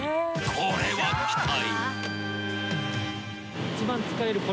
［これは期待］